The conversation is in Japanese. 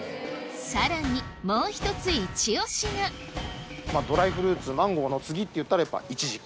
さらにもう１つイチオシがドライフルーツマンゴーの次っていったらやっぱ。